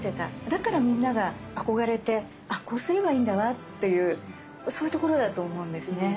だからみんなが憧れてあっこうすればいいんだわっていうそういうところだと思うんですね。